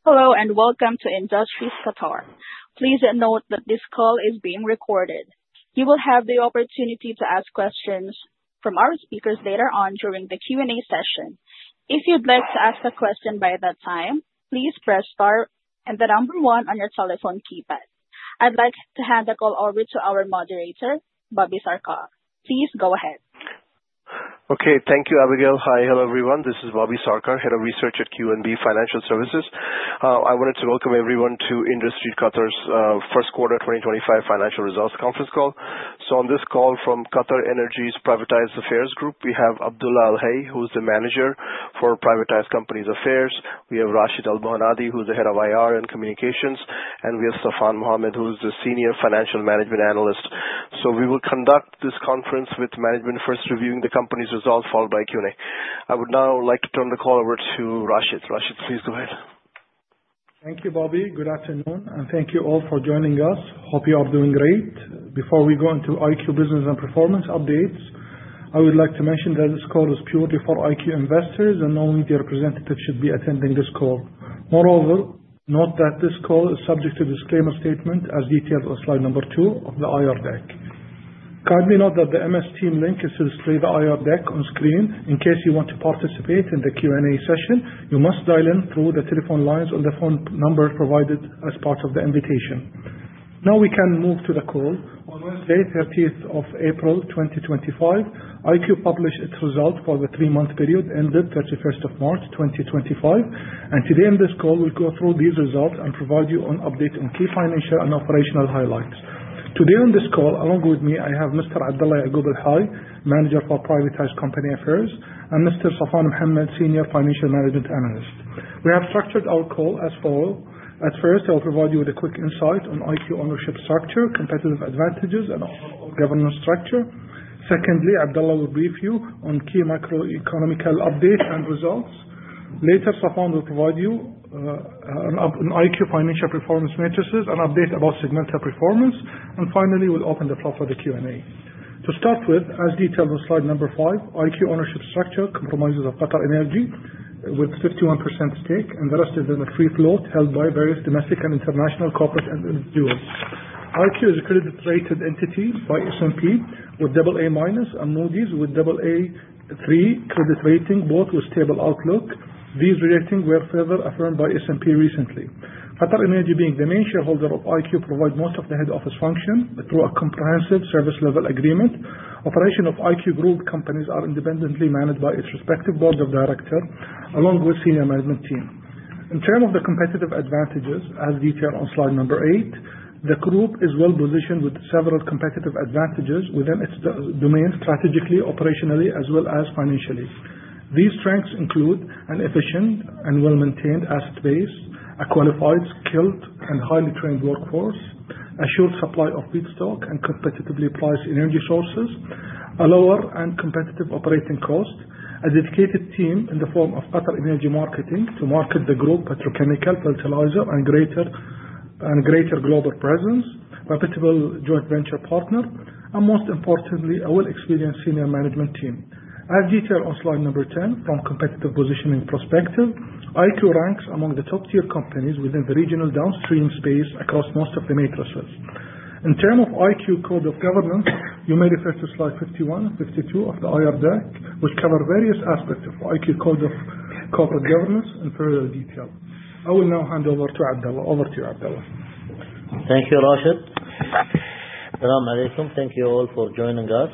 Hello, and welcome to Industries Qatar. Please note that this call is being recorded. You will have the opportunity to ask questions from our speakers later on during the Q&A session. If you'd like to ask a question by that time, please press star and the number one on your telephone keypad. I'd like to hand the call over to our moderator, Bobby Sarkar. Please go ahead. Okay. Thank you, Abigail. Hi. Hello, everyone. This is Bobby Sarkar, Head of Research at QNB Financial Services. I wanted to welcome everyone to Industries Qatar's first quarter 2025 financial results conference call. On this call from QatarEnergy's Privatized Affairs Group, we have Abdulla Al-Hay, who's the Manager for Privatized Companies Affairs. We have Rashid Al-Mohannadi, who's the Head of IR and Communications, and we have Saffan Mohammed, who's the Senior Financial Management Analyst. We will conduct this conference with management first reviewing the company's results, followed by Q&A. I would now like to turn the call over to Rashid. Rashid, please go ahead. Thank you, Bobby. Good afternoon, and thank you all for joining us. Hope you are doing great. Before we go into IQ business and performance updates, I would like to mention that this call is purely for IQ investors, and only their representatives should be attending this call. Moreover, note that this call is subject to disclaimer statement as detailed on slide number two of the IR deck. Kindly note that the MS Teams link is displayed on the IR deck on screen. In case you want to participate in the Q&A session, you must dial in through the telephone lines on the phone number provided as part of the invitation. Now we can move to the call. On Wednesday, 13th of April 2025, IQ published its results for the three-month period ended 31st of March 2025. Today on this call, we'll go through these results and provide you an update on key financial and operational highlights. Today on this call, along with me, I have Mr. Abdulla Al-Hay, Manager for Privatized Companies Affairs, and Mr. Saffan Mohammed, Senior Financial Management Analyst. We have structured our call as follow. At first, I'll provide you with a quick insight on IQ ownership structure, competitive advantages, and governance structure. Secondly, Abdulla will brief you on key macroeconomical updates and results. Later, Saffan will provide you an IQ financial performance metrics and update about segmental performance. Finally, we'll open the floor for the Q&A. To start with, as detailed on slide number five, IQ ownership structure comprises of QatarEnergy with 51% stake, and the rest is in a free float held by various domestic and international corporates and individuals. IQ is a credit-rated entity by S&P with AA- and Moody's with Aa3 credit rating, both with stable outlook. These ratings were further affirmed by S&P recently. QatarEnergy, being the main shareholder of IQ, provide most of the head office function through a comprehensive service level agreement. Operation of IQ group companies are independently managed by its respective board of director along with senior management team. In term of the competitive advantages, as detailed on slide number eight, the group is well-positioned with several competitive advantages within its domain, strategically, operationally, as well as financially. These strengths include an efficient and well-maintained asset base, a qualified, skilled, and highly trained workforce, a sure supply of feedstock and competitively priced energy sources, a lower and competitive operating cost, a dedicated team in the form of QatarEnergy Marketing to market the group petrochemical, fertilizer, and greater global presence, reputable joint venture partner, and most importantly, a well-experienced senior management team. As detailed on slide 10, from competitive positioning perspective, IQ ranks among the top-tier companies within the regional downstream space across most of the matrices. In term of IQ code of governance, you may refer to slide 51, 52 of the IR deck, which cover various aspects of IQ code of corporate governance in further detail. I will now hand over to Abdulla. Over to you, Abdulla. Thank you, Rashid. As-salamu alaykum. Thank you all for joining us.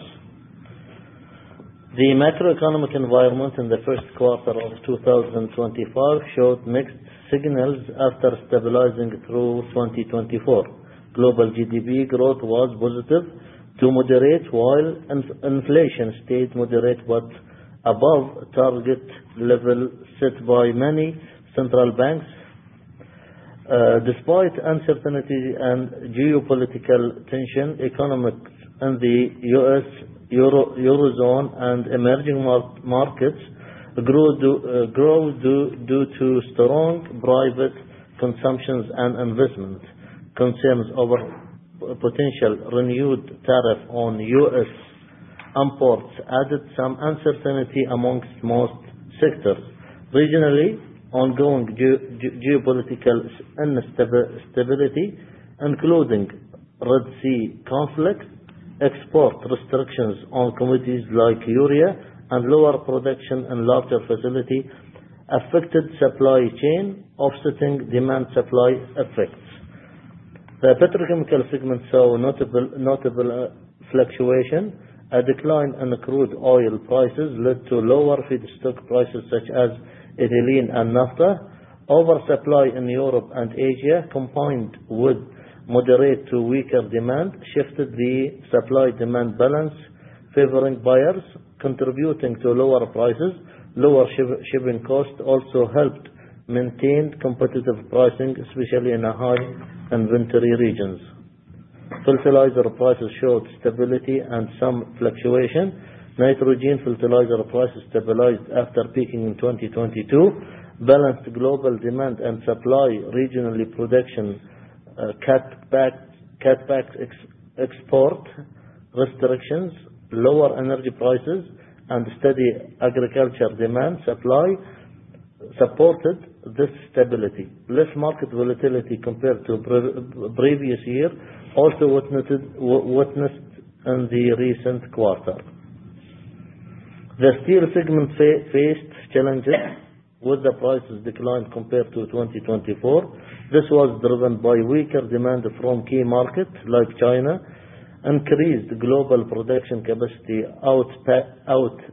The macroeconomic environment in the first quarter of 2025 showed mixed signals after stabilizing through 2024. Global GDP growth was positive to moderate, while inflation stayed moderate but above target level set by many central banks. Despite uncertainty and geopolitical tension, economics in the U.S., Eurozone, and emerging markets grew due to strong private consumptions and investment. Concerns over potential renewed tariff on U.S. imports added some uncertainty amongst most sectors. Regionally, ongoing geopolitical instability, including Red Sea conflict, export restrictions on commodities like urea and lower production in larger facility affected supply chain, offsetting demand-supply effects. The petrochemical segment saw notable fluctuation. A decline in the crude oil prices led to lower feedstock prices such as ethylene and naphtha. Oversupply in Europe and Asia, combined with moderate to weaker demand, shifted the supply-demand balance favoring buyers, contributing to lower prices. Lower shipping cost also helped maintain competitive pricing, especially in high inventory regions. Fertilizer prices showed stability and some fluctuation. Nitrogen fertilizer prices stabilized after peaking in 2022. Balanced global demand and supply, regionally production cutback export restrictions, lower energy prices, and steady agriculture demand supply supported this stability. Less market volatility compared to previous year also witnessed in the recent quarter. The steel segment faced challenges with the prices decline compared to 2024. This was driven by weaker demand from key markets like China, increased global production capacity outpacing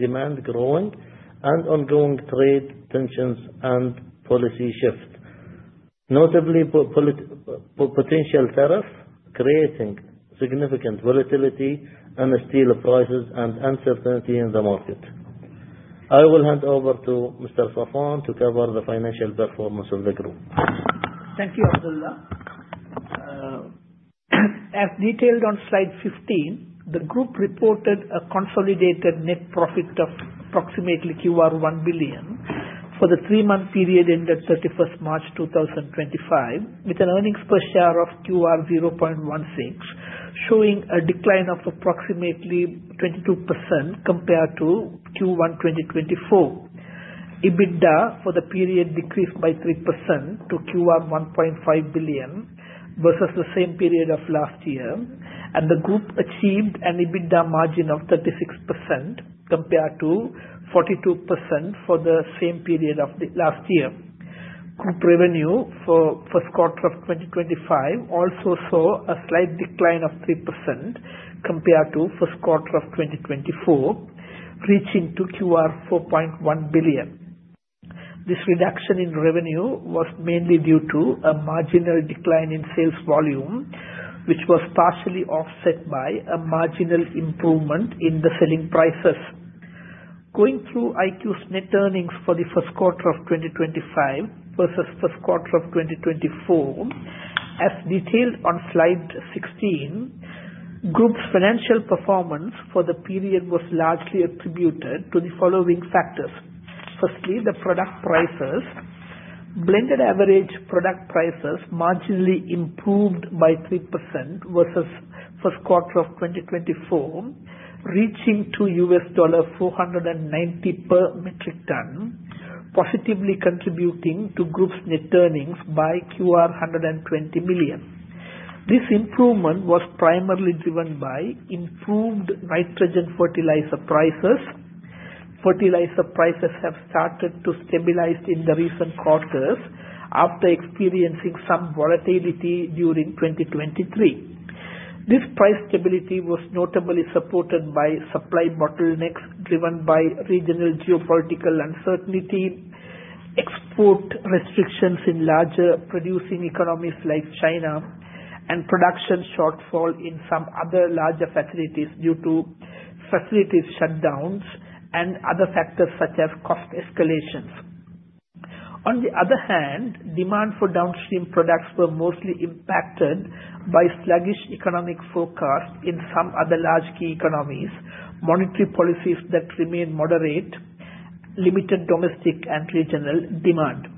demand growing, and ongoing trade tensions and policy shift. Notably, potential tariff creating significant volatility in steel prices and uncertainty in the market. I will hand over to Mr. Saffan to cover the financial performance of the group. Thank you, Abdullah. As detailed on slide 15, the group reported a consolidated net profit of approximately 1 billion for the three-month period ended 31st March 2025, with an earnings per share of 0.16, showing a decline of approximately 22% compared to Q1 2024. EBITDA for the period decreased by 3% to 1.5 billion versus the same period of last year, and the group achieved an EBITDA margin of 36% compared to 42% for the same period of last year. Group revenue for first quarter of 2025 also saw a slight decline of 3% compared to first quarter of 2024, reaching 4.1 billion. This reduction in revenue was mainly due to a marginal decline in sales volume, which was partially offset by a marginal improvement in the selling prices. Going through IQ's net earnings for the first quarter of 2025 versus first quarter of 2024, as detailed on slide 16, group's financial performance for the period was largely attributed to the following factors. Firstly, the product prices. Blended average product prices marginally improved by 3% versus first quarter of 2024, reaching US$490 per metric ton, positively contributing to group's net earnings by 120 million. This improvement was primarily driven by improved nitrogen fertilizer prices. Fertilizer prices have started to stabilize in the recent quarters after experiencing some volatility during 2023. This price stability was notably supported by supply bottlenecks driven by regional geopolitical uncertainty, export restrictions in larger producing economies like China, and production shortfall in some other larger facilities due to facilities shutdowns and other factors such as cost escalations. On the other hand, demand for downstream products were mostly impacted by sluggish economic forecast in some other large key economies, monetary policies that remain moderate, limited domestic and regional demand.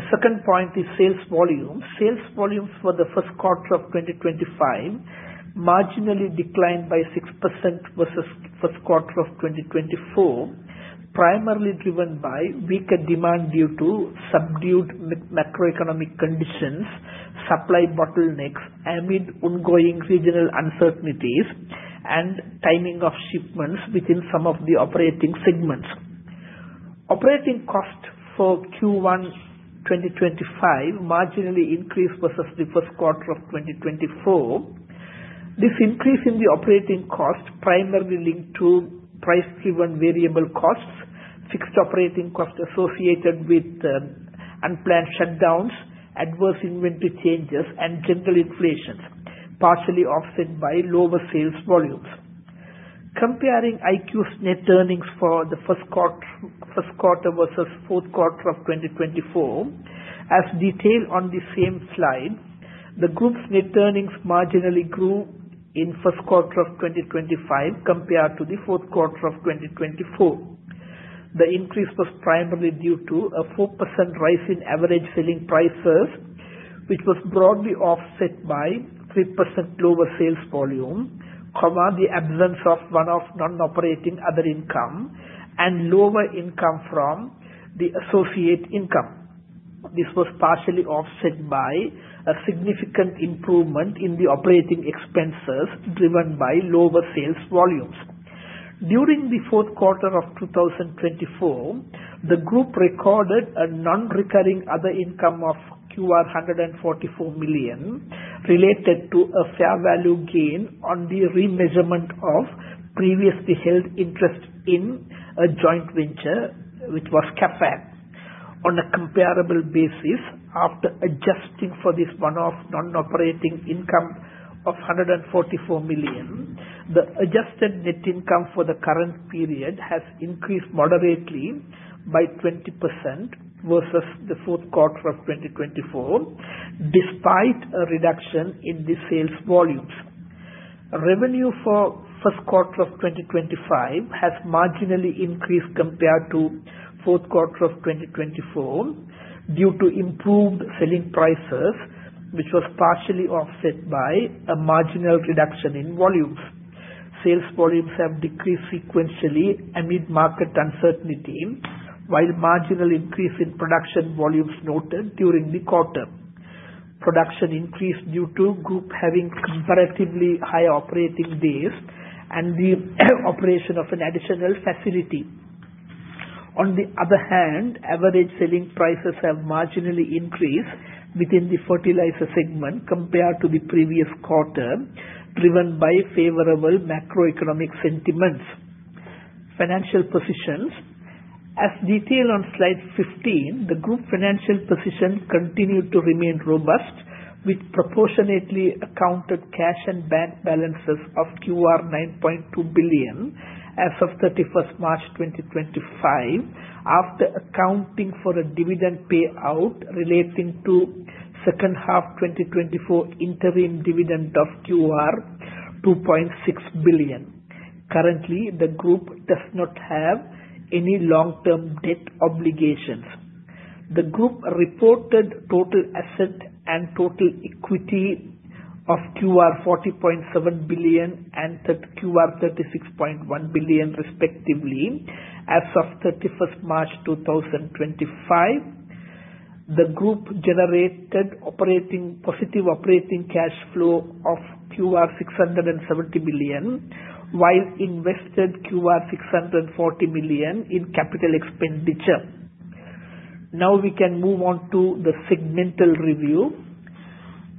The second point is sales volume. Sales volumes for the first quarter of 2025 marginally declined by 6% versus first quarter of 2024, primarily driven by weaker demand due to subdued macroeconomic conditions, supply bottlenecks amid ongoing regional uncertainties, and timing of shipments within some of the operating segments. Operating cost for Q1 2025 marginally increased versus the first quarter of 2024. This increase in the operating cost primarily linked to price-driven variable costs, fixed operating costs associated with unplanned shutdowns, adverse inventory changes, and general inflations, partially offset by lower sales volumes. Comparing IQ's net earnings for the first quarter versus fourth quarter of 2024, as detailed on the same slide, the group's net earnings marginally grew in first quarter of 2025 compared to the fourth quarter of 2024. The increase was primarily due to a 4% rise in average selling prices, which was broadly offset by 3% lower sales volume, the absence of one-off non-operating other income and lower income from the associate income. This was partially offset by a significant improvement in the operating expenses driven by lower sales volumes. During the fourth quarter of 2024, the group recorded a non-recurring other income of 144 million related to a fair value gain on the remeasurement of previously held interest in a joint venture, which was CapEx. On a comparable basis, after adjusting for this one-off non-operating income of 144 million, the adjusted net income for the current period has increased moderately by 20% versus the fourth quarter of 2024, despite a reduction in the sales volumes. Revenue for first quarter of 2025 has marginally increased compared to fourth quarter of 2024 due to improved selling prices, which was partially offset by a marginal reduction in volumes. Sales volumes have decreased sequentially amid market uncertainty while marginal increase in production volumes noted during the quarter. Production increased due to group having comparatively high operating days and the operation of an additional facility. On the other hand, average selling prices have marginally increased within the fertilizer segment compared to the previous quarter, driven by favorable macroeconomic sentiments. Financial positions. As detailed on slide 15, the group financial position continued to remain robust, with proportionately accounted cash and bank balances of 9.2 billion as of 31st March 2025 after accounting for a dividend payout relating to second half 2024 interim dividend of 2.6 billion. Currently, the group does not have any long-term debt obligations. The group reported total asset and total equity of 40.7 billion and 36.1 billion, respectively, as of 31st March 2025. The group generated positive operating cash flow of 670 million while invested 640 million in capital expenditure. Now we can move on to the segmental review.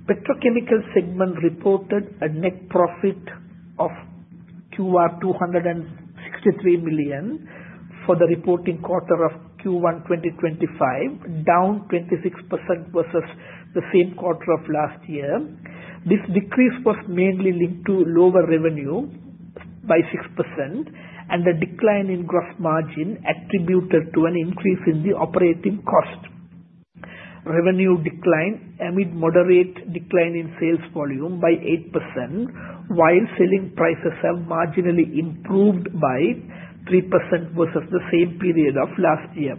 Petrochemical segment reported a net profit of 263 million for the reporting quarter of Q1 2025, down 26% versus the same quarter of last year. This decrease was mainly linked to lower revenue by 6% and a decline in gross margin attributed to an increase in the operating cost. Revenue declined amid moderate decline in sales volume by 8%, while selling prices have marginally improved by 3% versus the same period of last year.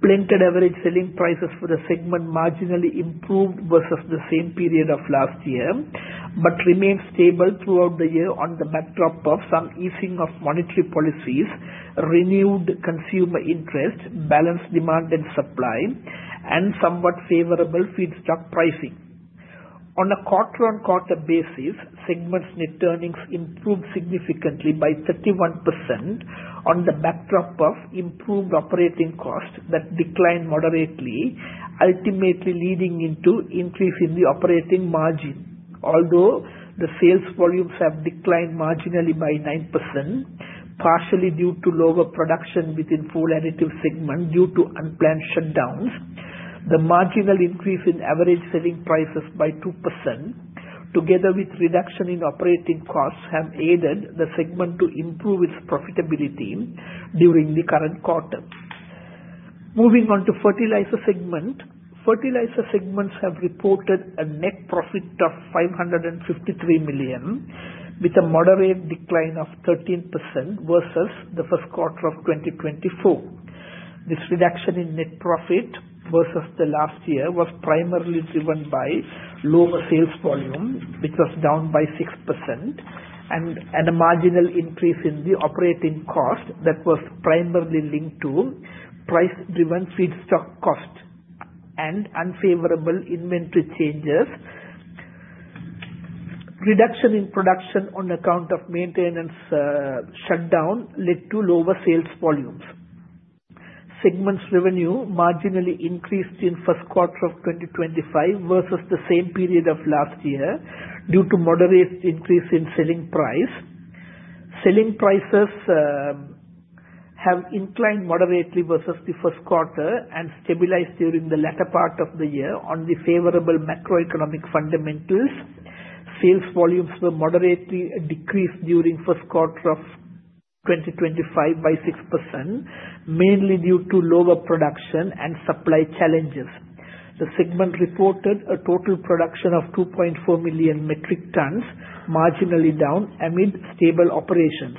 Blended average selling prices for the segment marginally improved versus the same period of last year, but remained stable throughout the year on the backdrop of some easing of monetary policies, renewed consumer interest, balanced demand and supply, and somewhat favorable feedstock pricing. On a quarter-on-quarter basis, segment's net earnings improved significantly by 31% on the backdrop of improved operating cost that declined moderately, ultimately leading into increase in the operating margin. Although the sales volumes have declined marginally by 9%, partially due to lower production within fuel additive segment due to unplanned shutdowns. The marginal increase in average selling prices by 2%, together with reduction in operating costs, have aided the segment to improve its profitability during the current quarter. Moving on to fertilizer segment. Fertilizer segments have reported a net profit of 553 million, with a moderate decline of 13% versus the first quarter of 2024. This reduction in net profit versus the last year was primarily driven by lower sales volume, which was down by 6%, and a marginal increase in the operating cost that was primarily linked to price-driven feedstock cost and unfavorable inventory changes. Reduction in production on account of maintenance shutdown led to lower sales volumes. Segment's revenue marginally increased in first quarter of 2025 versus the same period of last year due to moderate increase in selling price. Selling prices have inclined moderately versus the first quarter and stabilized during the latter part of the year on the favorable macroeconomic fundamentals. Sales volumes were moderately decreased during first quarter of 2025 by 6%, mainly due to lower production and supply challenges. The segment reported a total production of 2.4 million metric tons, marginally down amid stable operations.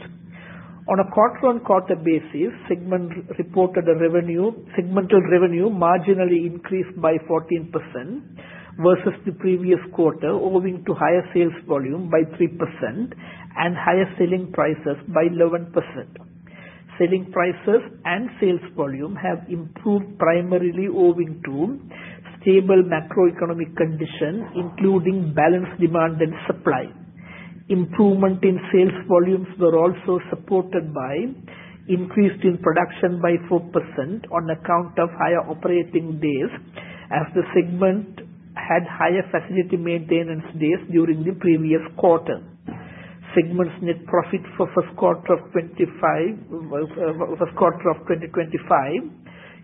On a quarter-on-quarter basis, segmental revenue marginally increased by 14% versus the previous quarter, owing to higher sales volume by 3% and higher selling prices by 11%. Selling prices and sales volume have improved primarily owing to stable macroeconomic conditions, including balanced demand and supply. Improvement in sales volumes were also supported by increase in production by 4% on account of higher operating days as the segment had higher facility maintenance days during the previous quarter. Segment's net profit for first quarter of 2025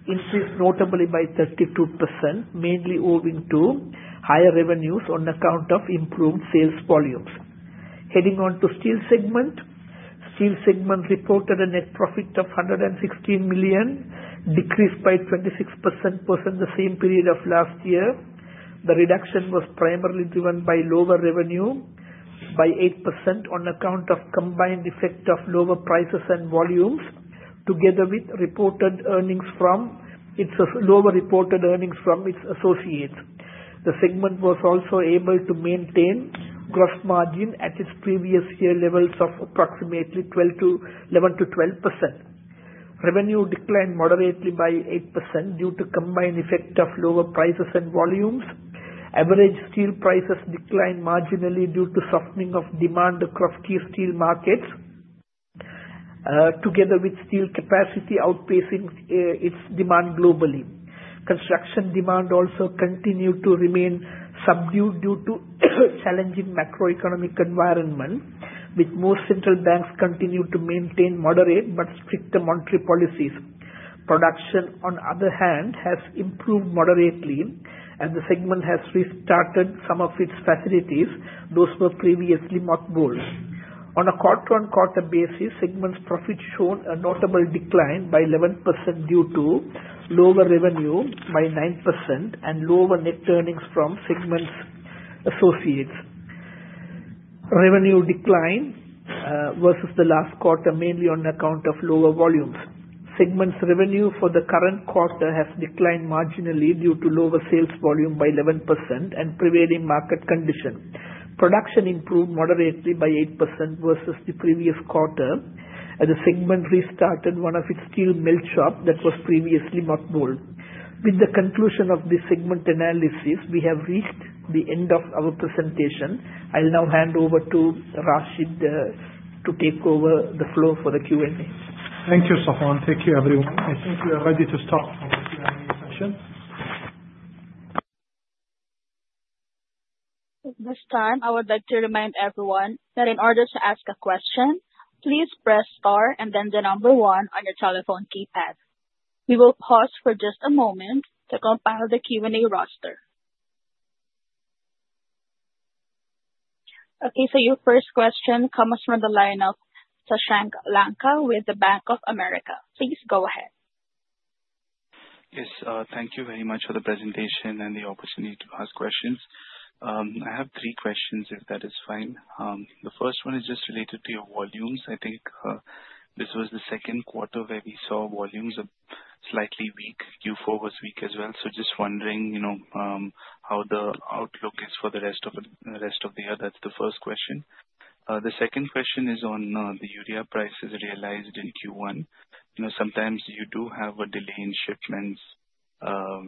increased notably by 32%, mainly owing to higher revenues on account of improved sales volumes. Heading on to steel segment. Steel segment reported a net profit of 116 million, decreased by 26% versus the same period of last year. The reduction was primarily driven by lower revenue by 8% on account of combined effect of lower prices and volumes, together with lower reported earnings from its associates. The segment was also able to maintain gross margin at its previous year levels of approximately 11%-12%. Revenue declined moderately by 8% due to combined effect of lower prices and volumes. Average steel prices declined marginally due to softening of demand across key steel markets, together with steel capacity outpacing its demand globally. Construction demand also continued to remain subdued due to challenging macroeconomic environment, with more central banks continue to maintain moderate but stricter monetary policies. Production, on other hand, has improved moderately, and the segment has restarted some of its facilities, those were previously mothballed. On a quarter-on-quarter basis, segment's profit showed a notable decline by 11% due to lower revenue by 9% and lower net earnings from segment's associates. Revenue declined versus the last quarter mainly on account of lower volumes. Segment's revenue for the current quarter has declined marginally due to lower sales volume by 11% and prevailing market condition. Production improved moderately by 8% versus the previous quarter, as the segment restarted one of its steel melt shop that was previously mothballed. With the conclusion of the segment analysis, we have reached the end of our presentation. I'll now hand over to Rashid to take over the floor for the Q&A. Thank you, Saffan. Thank you, everyone. I think we are ready to start our Q&A session. At this time, I would like to remind everyone that in order to ask a question, please press star and then the number one on your telephone keypad. We will pause for just a moment to compile the Q&A roster. Okay, your first question comes from the line of Shashank Lanka with the Bank of America. Please go ahead. Yes. Thank you very much for the presentation and the opportunity to ask questions. I have three questions, if that is fine. The first one is just related to your volumes. I think this was the second quarter where we saw volumes slightly weak. Q4 was weak as well. Just wondering how the outlook is for the rest of the year. That's the first question. The second question is on the urea prices realized in Q1. Sometimes you do have a delay in shipments,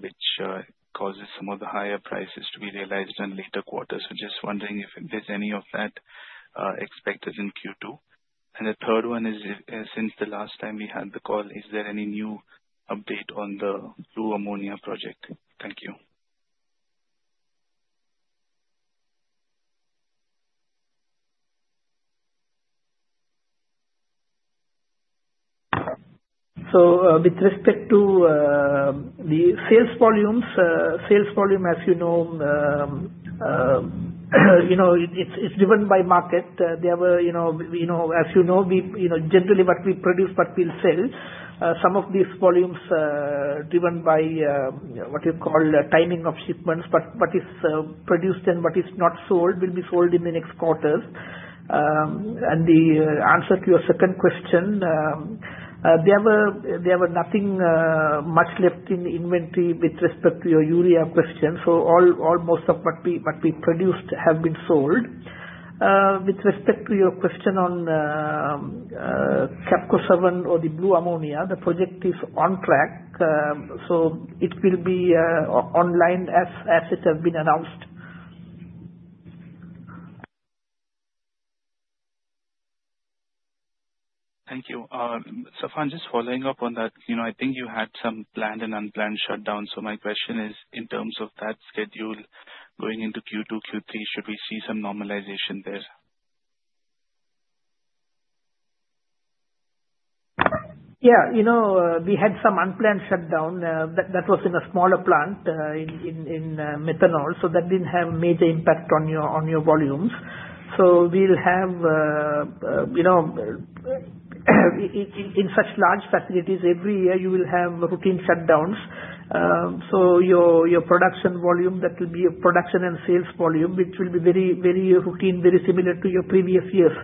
which causes some of the higher prices to be realized in later quarters. Just wondering if there's any of that expected in Q2. The third one is, since the last time we had the call, is there any new update on the blue ammonia project? Thank you. With respect to the sales volumes. Sales volume, as you know, it's driven by market. As you know, generally what we produce, what we'll sell. Some of these volumes are driven by what you call timing of shipments. What is produced and what is not sold will be sold in the next quarters. The answer to your second question, there were nothing much left in inventory with respect to your urea question. All most of what we produced have been sold. With respect to your question on QAFCO-7 or the blue ammonia, the project is on track. It will be online as it has been announced. Thank you. Saffan, just following up on that. I think you had some planned and unplanned shutdowns. My question is, in terms of that schedule going into Q2, Q3, should we see some normalization there? Yeah. We had some unplanned shutdown. That was in a smaller plant in methanol. That didn't have a major impact on your volumes. In such large facilities, every year you will have routine shutdowns. Your production volume, that will be your production and sales volume, which will be very routine, very similar to your previous years.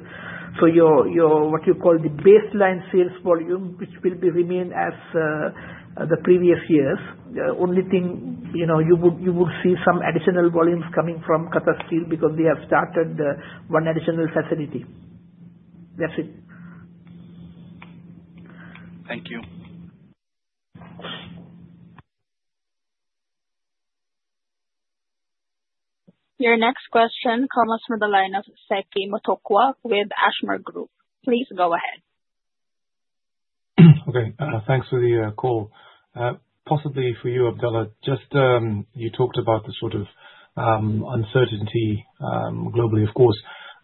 Your, what you call the baseline sales volume, which will remain as the previous years. The only thing, you would see some additional volumes coming from Qatar Steel because they have started one additional facility. That's it. Thank you. Your next question comes from the line of Setli Motokwa with Ashmore Group. Please go ahead. Okay, thanks for the call. Possibly for you, Abdulla. You talked about the sort of uncertainty globally, of course.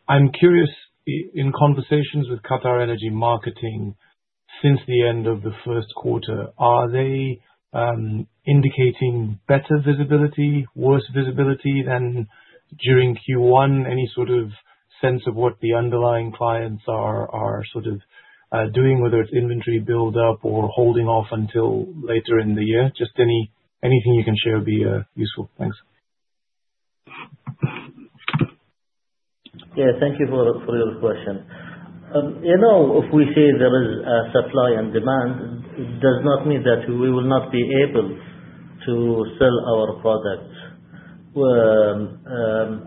I'm curious, in conversations with QatarEnergy Marketing since the end of the first quarter, are they indicating better visibility, worse visibility than during Q1? Any sort of sense of what the underlying clients are doing, whether it's inventory build-up or holding off until later in the year? Just anything you can share would be useful. Thanks. Yeah, thank you for your question. If we say there is a supply and demand, it does not mean that we will not be able to sell our product.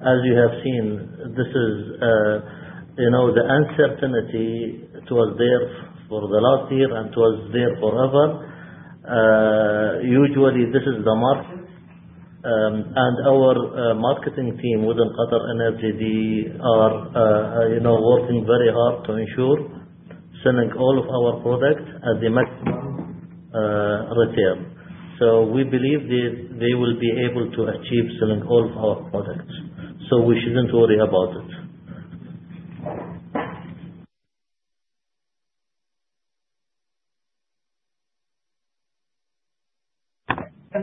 As you have seen, the uncertainty, it was there for the last year and it was there forever. Usually, this is the market, and our marketing team within QatarEnergy, they are working very hard to ensure selling all of our products at the maximum return. We believe they will be able to achieve selling all of our products. We shouldn't worry about it.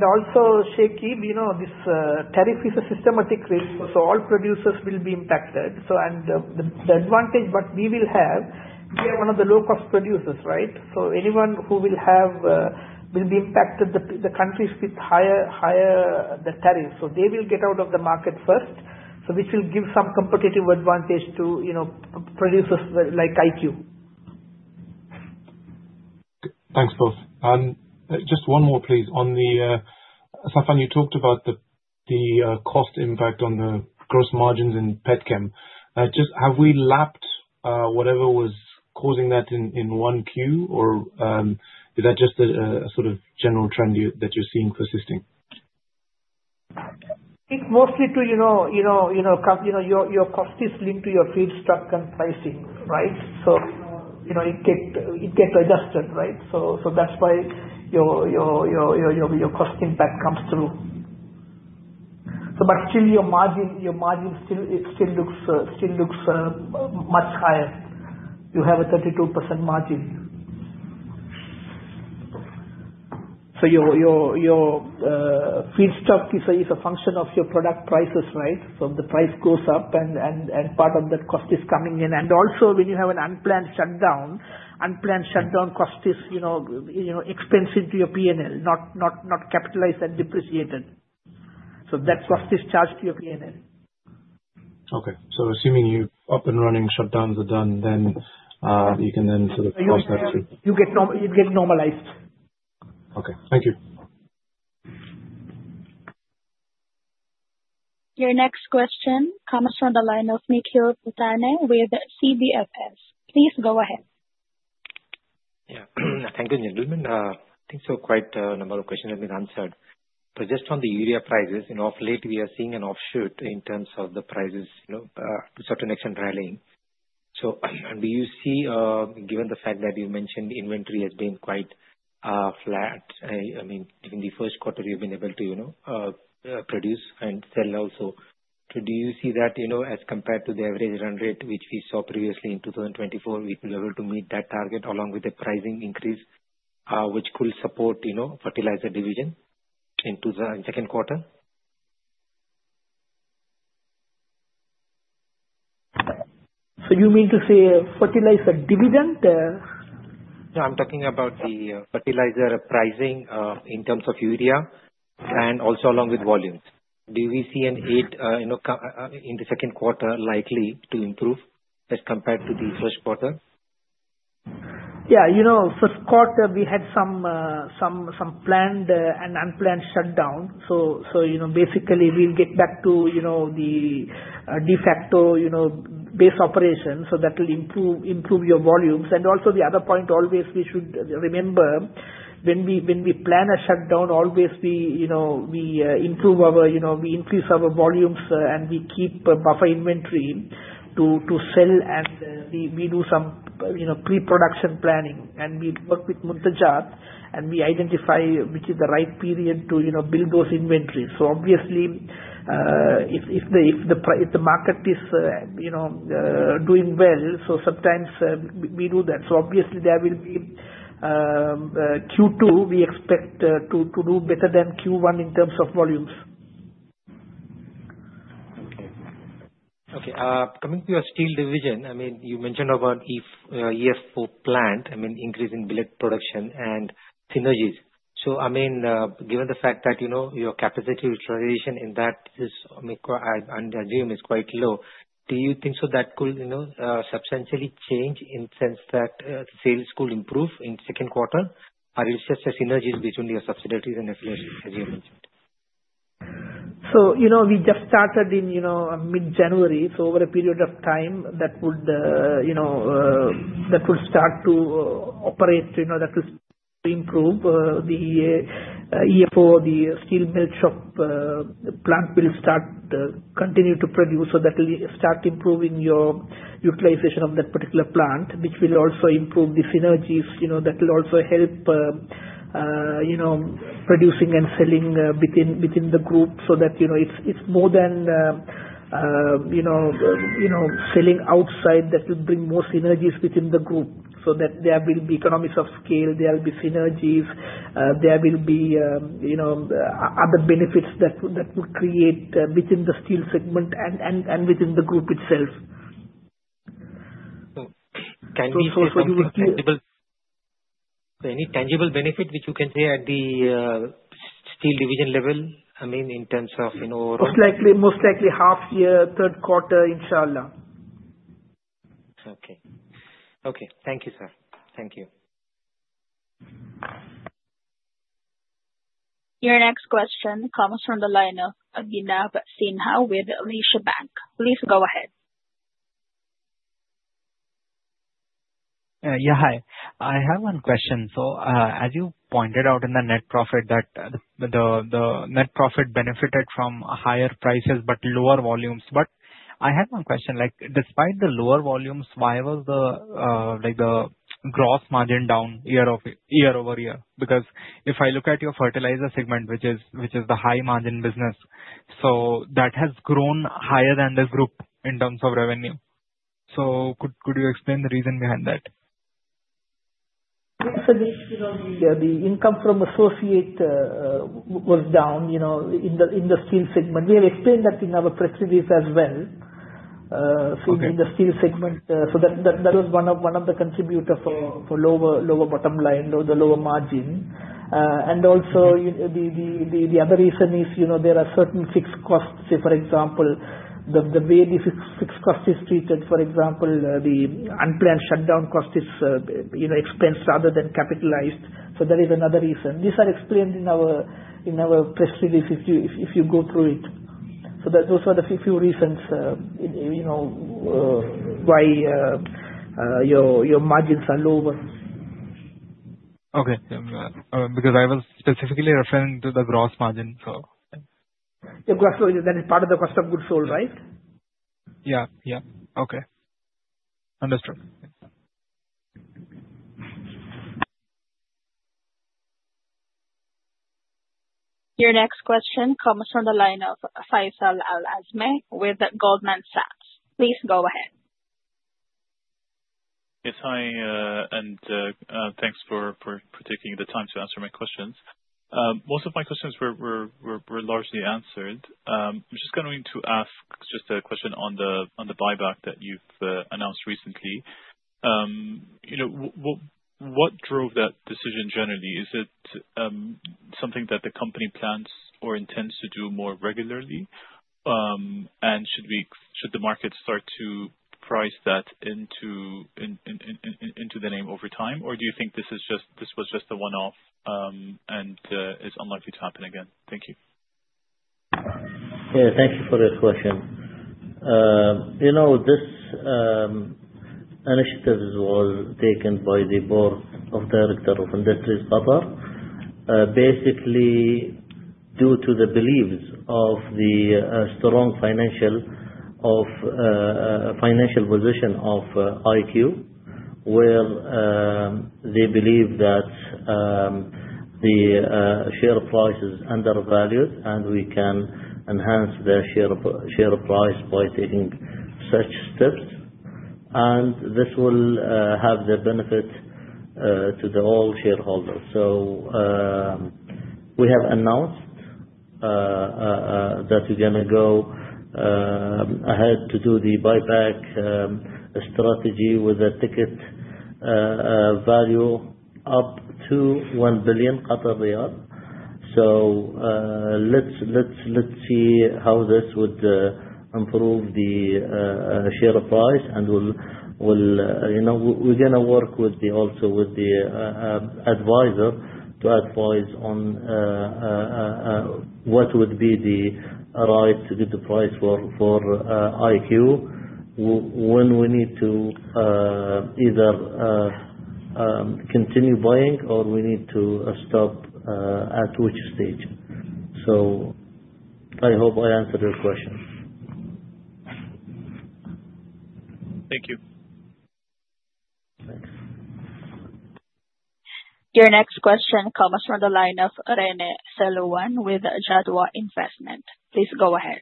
Also, Sheikh, this tariff is a systematic risk. All producers will be impacted. The advantage that we will have, we are one of the lowest producers, right? Anyone who will be impacted, the countries with higher tariffs. They will get out of the market first, which will give some competitive advantage to producers like IQ. Thanks, both. Just one more, please. Saffan, you talked about the cost impact on the gross margins in Petchem. Have we lapped whatever was causing that in 1Q, or is that just a sort of general trend that you're seeing persisting? It's mostly to your cost is linked to your feedstock and pricing, right? It gets adjusted, right? That's why your cost impact comes through. Still your margin still looks much higher. You have a 32% margin. Your feedstock is a function of your product prices, right? The price goes up, and part of that cost is coming in. Also when you have an unplanned shutdown, unplanned shutdown cost is expensive to your P&L, not capitalized and depreciated. That cost is charged to your P&L. Okay. Assuming you're up and running, shutdowns are done, then you can then sort of cost that to- You get normalized. Okay. Thank you. Your next question comes from the line of Nikhil Putanne with CBFS. Please go ahead. Thank you, gentlemen. I think so quite a number of questions have been answered. Just on the urea prices, of late we are seeing an offshoot in terms of the prices, certain action rallying. Do you see, given the fact that you mentioned the inventory has been quite flat, I mean, in the first quarter you've been able to produce and sell also. Do you see that, as compared to the average run rate, which we saw previously in 2024, we've been able to meet that target along with the pricing increase, which could support fertilizer division into the second quarter? You mean to say fertilizer division? No, I'm talking about the fertilizer pricing, in terms of urea, and also along with volumes. Do we see an aid in the second quarter likely to improve as compared to the first quarter? First quarter, we had some planned and unplanned shutdown. Basically we'll get back to the de facto base operation, so that will improve your volumes. Also the other point always we should remember, when we plan a shutdown, always we increase our volumes, and we keep a buffer inventory to sell and we do some pre-production planning. We work with Muntajat, and we identify which is the right period to build those inventories. Obviously, if the market is doing well, so sometimes we do that. Obviously there will be Q2, we expect to do better than Q1 in terms of volumes. Coming to your steel division, you mentioned about EF4 plant, increasing billet production and synergies. Given the fact that your capacity utilization in that is, and I assume, is quite low, do you think that could substantially change in the sense that sales could improve in the second quarter? Or it is just the synergies between your subsidiaries and affiliates, as you mentioned? We just started in mid-January. Over a period of time that could start to operate, that could improve the EF4. The steel melt shop plant will continue to produce. That will start improving your utilization of that particular plant, which will also improve the synergies. That will also help producing and selling within the group so that it is more than selling outside that will bring more synergies within the group. There will be economies of scale, there will be synergies, there will be other benefits that will create within the steel segment and within the group itself. Any tangible benefit which you can say at the steel division level? Most likely half year, third quarter, inshallah. Okay. Thank you, sir. Thank you. Your next question comes from the line of Abhinav Sinha with Alicia Bank. Please go ahead. Yeah, hi. I have one question. As you pointed out in the net profit, that the net profit benefited from higher prices but lower volumes. I had one question, despite the lower volumes, why was the gross margin down year-over-year? Because if I look at your fertilizer segment, which is the high margin business, that has grown higher than the group in terms of revenue. Could you explain the reason behind that? That's an issue on the income from associate was down in the steel segment. We have explained that in our press release as well. Okay. In the steel segment, that was one of the contributor for lower bottom line or the lower margin. Also, the other reason is, there are certain fixed costs. Say, for example, the way the fixed cost is treated, for example, the unplanned shutdown cost is expensed rather than capitalized. That is another reason. These are explained in our press release if you go through it. Those are the few reasons why your margins are lower. Okay. I was specifically referring to the gross margin, thank you. The gross margin, that is part of the cost of goods sold, right? Yeah. Okay. Understood. Thanks. Your next question comes from the line of Faisal AlAzmeh with Goldman Sachs. Please go ahead. Yes, hi. Thanks for taking the time to answer my questions. Most of my questions were largely answered. I'm just going to ask a question on the buyback that you've announced recently. What drove that decision generally? Is it something that the company plans or intends to do more regularly? Should the market start to price that into the name over time? Do you think this was just a one-off, and it's unlikely to happen again? Thank you. Thank you for this question. This initiative was taken by the board of director of Industries Qatar, basically due to the beliefs of the strong financial position of IQ, where they believe that the share price is undervalued. We can enhance the share price by taking such steps. This will have the benefit to the whole shareholder. We have announced that we're going to go ahead to do the buyback strategy with a ticket value up to 1 billion riyal. Let's see how this would improve the share price. We're going to work also with the advisor to advise on what would be the right good price for IQ. When we need to either continue buying or we need to stop, at which stage. I hope I answered your question. Thank you. Thanks. Your next question comes from the line of Rene Saluan with Jadwa Investment. Please go ahead.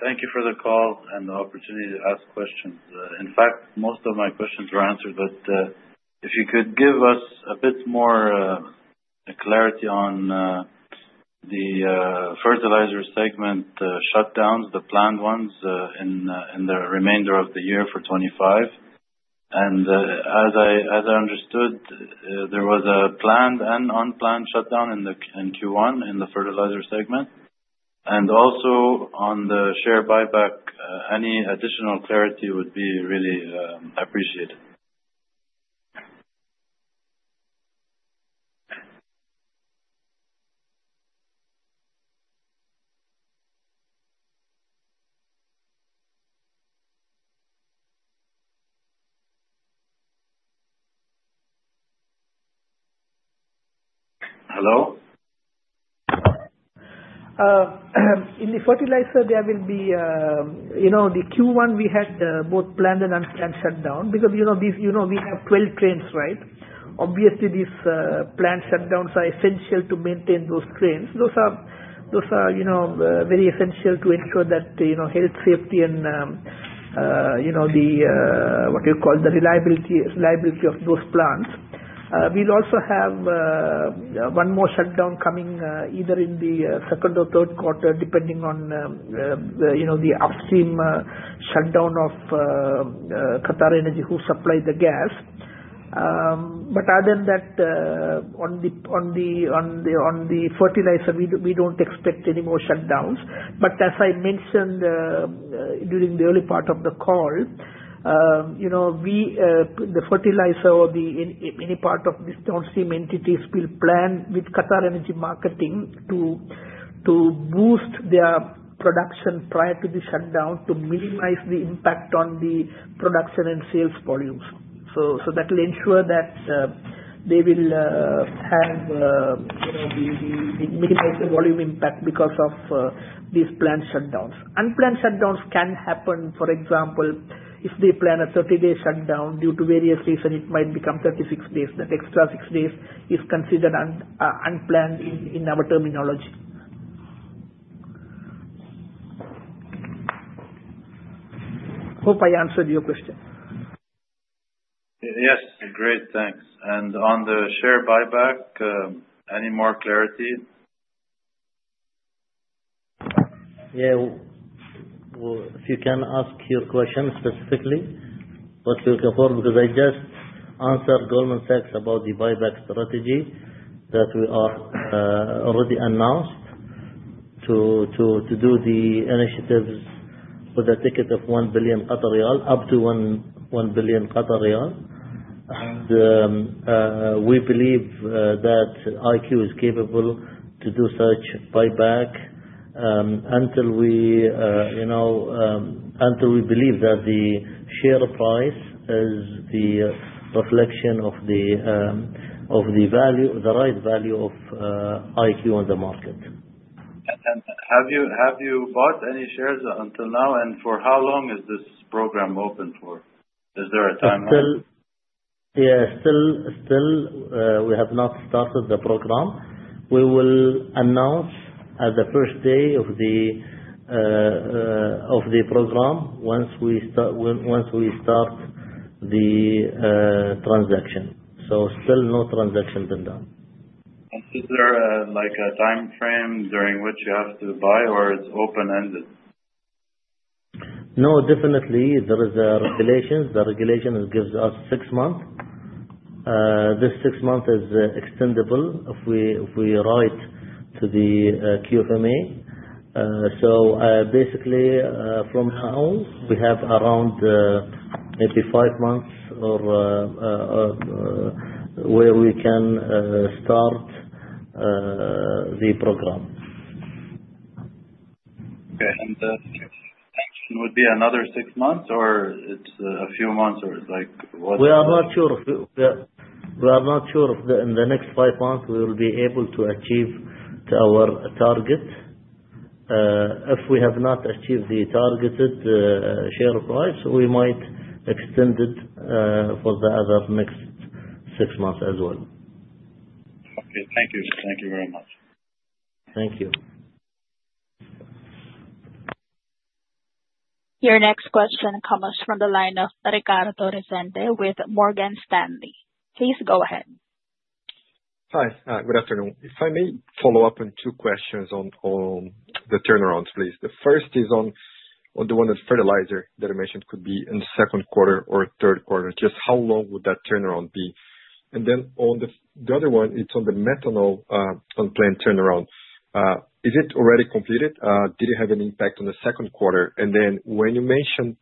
Thank you for the call and the opportunity to ask questions. In fact, most of my questions were answered, but if you could give us a bit more clarity on the fertilizer segment shutdowns, the planned ones in the remainder of the year for 2025. As I understood, there was a planned and unplanned shutdown in Q1 in the fertilizer segment. Also on the share buyback, any additional clarity would be really appreciated. Hello? In the fertilizer, there will be the Q1 we had both planned and unplanned shutdown because we have 12 trains, right? Obviously, these plant shutdowns are essential to maintain those trains. Those are very essential to ensure that health, safety, and the reliability of those plants. We will also have one more shutdown coming either in the second or third quarter, depending on the upstream shutdown of QatarEnergy, who supply the gas. Other than that, on the fertilizer, we don't expect any more shutdowns. As I mentioned during the early part of the call, the fertilizer or any part of downstream entities will plan with QatarEnergy marketing to boost their production prior to the shutdown to minimize the impact on the production and sales volumes. That will ensure that they will minimize the volume impact because of these plant shutdowns. Unplanned shutdowns can happen. For example, if they plan a 30-day shutdown, due to various reason, it might become 36 days. That extra six days is considered unplanned in our terminology. Hope I answered your question. Yes. Great, thanks. On the share buyback, any more clarity? Yeah. If you can ask your question specifically, what you're looking for, because I just answered Goldman Sachs about the buyback strategy that we are already announced, to do the initiatives with a ticket of up to 1 billion riyal. We believe that IQ is capable to do such buyback until we believe that the share price is the reflection of the right value of IQ on the market. Have you bought any shares until now? For how long is this program open for? Is there a timeline? Still, we have not started the program. We will announce at the first day of the program once we start the transaction. Still no transaction been done. Is there like a time frame during which you have to buy, or it's open-ended? Definitely there is a regulation. The regulation gives us six months. This six months is extendable if we write to the QFMA. Basically, from now, we have around maybe five months where we can start the program. The extension would be another six months, or it's a few months, or it's what? We are not sure if in the next five months we will be able to achieve our target. If we have not achieved the targeted share price, we might extend it for the other next six months as well. Okay. Thank you, sir. Thank you very much. Thank you. Your next question comes from the line of Ricardo Resende with Morgan Stanley. Please go ahead. Hi. Good afternoon. If I may follow up on two questions on the turnarounds, please. The first is on the one with fertilizer that you mentioned could be in the second quarter or third quarter. Just how long would that turnaround be? On the other one, it's on the methanol plant turnaround. Is it already completed? Did it have an impact on the second quarter? When you mentioned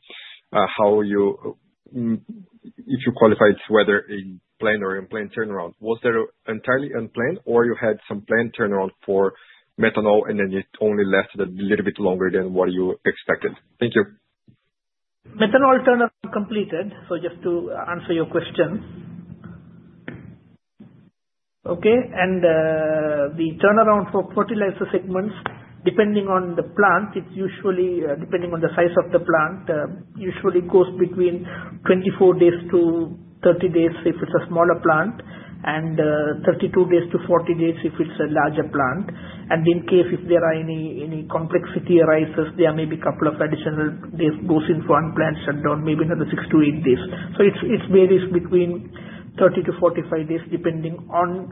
if you qualified whether a planned or unplanned turnaround, was that entirely unplanned, or you had some planned turnaround for methanol, and then it only lasted a little bit longer than what you expected? Thank you. Methanol turnaround completed, so just to answer your question. The turnaround for fertilizer segments, depending on the size of the plant, usually goes between 24 days to 30 days if it's a smaller plant, and 32 days to 40 days if it's a larger plant. In case if there are any complexity arises, there may be couple of additional days goes into unplanned shutdown, maybe another 6 to 8 days. It varies between 30 to 45 days, depending on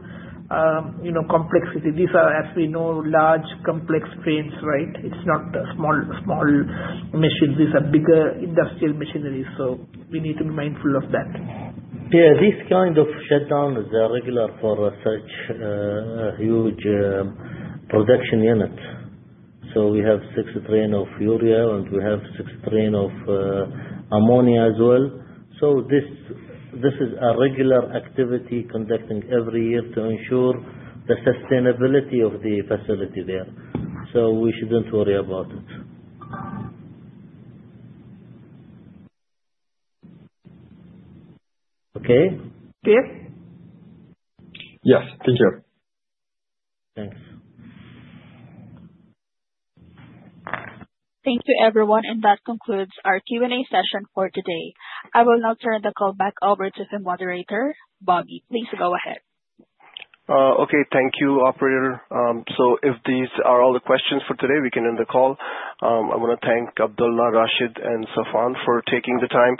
complexity. These are, as we know, large, complex trains, right? It's not a small machine. These are bigger industrial machinery, so we need to be mindful of that. Yeah. These kind of shutdowns are regular for such a huge production unit. We have 6 train of urea, and we have 6 train of ammonia as well. This is a regular activity conducting every year to ensure the sustainability of the facility there. We shouldn't worry about it. Okay? Clear? Yes. Thank you. Thanks. Thank you, everyone. That concludes our Q&A session for today. I will now turn the call back over to the moderator, Bobby. Please go ahead. Okay. Thank you, operator. If these are all the questions for today, we can end the call. I want to thank Abdulla, Rashid, and Saffan for taking the time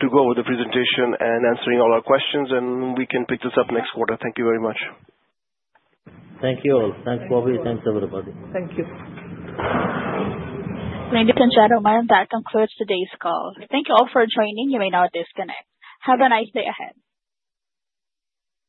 to go over the presentation and answering all our questions. We can pick this up next quarter. Thank you very much. Thank you all. Thanks, Bobby. Thanks, everybody. Thank you. Ladies and gentlemen, that concludes today's call. Thank you all for joining. You may now disconnect. Have a nice day ahead.